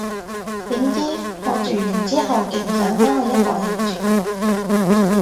點知，我住完之後勁想返去一個人住